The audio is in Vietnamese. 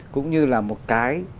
cũng như là một cái